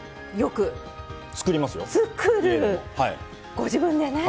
ご自分でねえ。